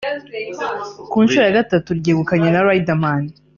ku nshuro ya gatatu ryegukanwa na Riderman